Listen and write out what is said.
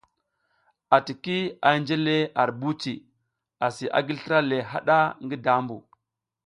ATIKI a hinje le ar buci, asi a gi slra le haɗa ngi dambu.